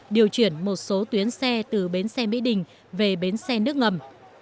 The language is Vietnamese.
điều chuyển một số tuyến xe từ bến xe mỹ đình về bến xe nước ngầm